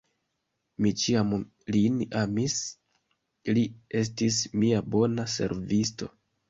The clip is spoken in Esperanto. Mi ĉiam lin amis, li estis mia bona servisto.